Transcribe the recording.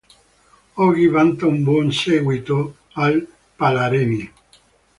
Oggi vanta un buon seguito al Palareny.